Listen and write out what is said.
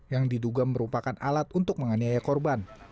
yang diduga merupakan alat untuk menganiaya korban